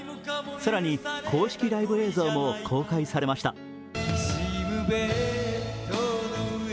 更に、公式ライブ映像も公開されました。